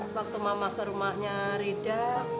waktu mama ke rumahnya rida